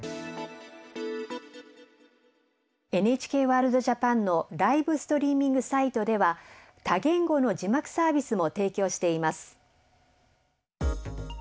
「ＮＨＫワールドＪＡＰＡＮ」のライブストリーミングサイトでは多言語の字幕サービスも提供しています。